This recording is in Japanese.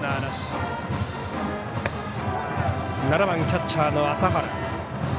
７番キャッチャーの麻原。